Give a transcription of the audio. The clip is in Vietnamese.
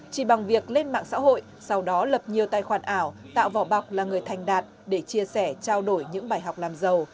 chỉ bằng việc lên mạng xã hội sau đó lập nhiều tài khoản ảo tạo vỏ bọc là người thành đạt để chia sẻ trao đổi những bài học làm giàu